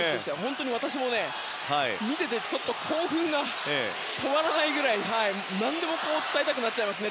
私も見ていて興奮が止まらないぐらい何度も伝えたくなっちゃいますね